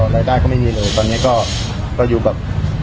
รายได้ก็ไม่มีเลยตอนนี้ก็อยู่แบบ